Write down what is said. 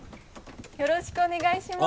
よろしくお願いします。